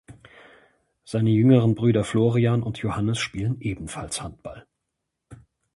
Seine jüngeren Brüder Florian und Johannes spielen ebenfalls Handball.